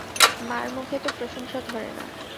মার মুখে তো প্রশংসা ধরে না।